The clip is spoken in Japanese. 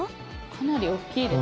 かなりおっきいです。